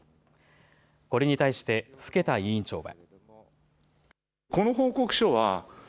これに対して更田委員長は。